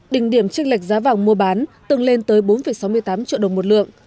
đỉnh điểm tranh lệch giá vàng mua bán từng lên tới bốn sáu mươi tám triệu đồng một lượng